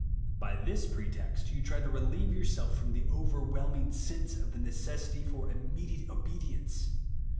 By this pretext you try to relieve yourself from the overwhelming sense of the necessity for immediate obedience.